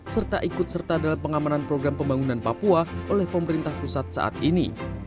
serta ikut serta dalam pengamanan program pembangunan papua oleh pemerintah pusat saat ini